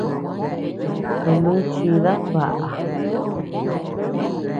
Kanu chida baʼa.